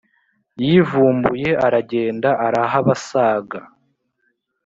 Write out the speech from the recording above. yivumbuye aragenda arahabasaga